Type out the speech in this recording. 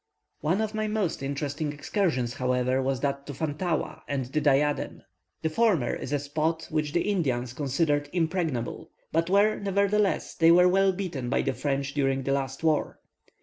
One of my most interesting excursions, however, was that to Fantaua and the Diadem. The former is a spot which the Indians considered impregnable; but where, nevertheless, they were well beaten by the French during the last war.